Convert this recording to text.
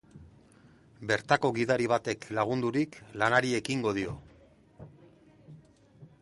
Bertako gidari batek lagundurik lanari ekingo dio.